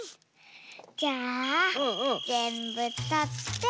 じゃあぜんぶとって。